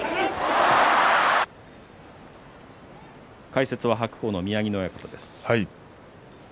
解説は白鵬の宮城野親方です。